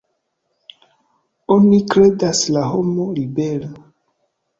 Oni kredas la homo libera.